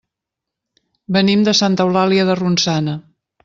Venim de Santa Eulàlia de Ronçana.